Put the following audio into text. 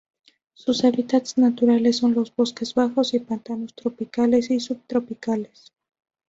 Sus hábitats naturales son los bosques bajos y pantanos tropicales y subtropicales.